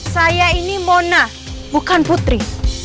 saya ini mona bukan putri